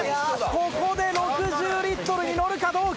ここで６０リットルに乗るかどうか。